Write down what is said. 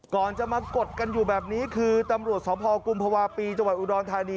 ก่อนจะมากดกันอยู่แบบนี้คือตำรวจสภกุมภาวะปีจังหวัดอุดรธานี